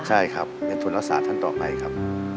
ใช่ครับเป็นทุนรักษาท่านต่อไปครับ